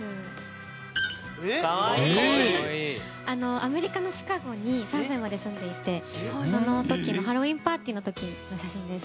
アメリカのシカゴに３歳まで住んでいてハロウィーンパーティーの時の写真です。